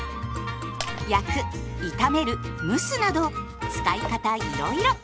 焼く炒める蒸すなど使い方いろいろ。